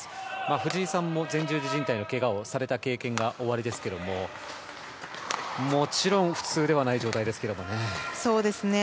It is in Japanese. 藤井さんも前十字じん帯のけがをされた経験がおありですがもちろん普通ではない状態ですね。